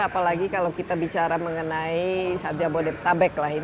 apalagi kalau kita bicara mengenai saja berapa tahun